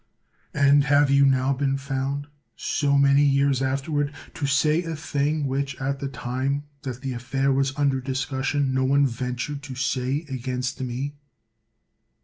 And have you now been found, so many years afterward^ 174 CICERO to say a thing which, at the time that the aflfair was under discussion, no one ventured to say against me?